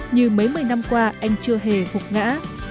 như mấy mươi năm qua anh chưa hề phục ngã